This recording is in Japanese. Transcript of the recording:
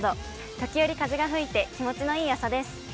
時折風が吹いて気持ちのいい朝です。